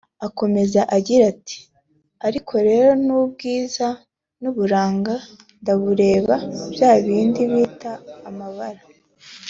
Akomeza agira ati “Ariko rero n’ubwiza bw’uburanga ndabureba bya bindi bita amabara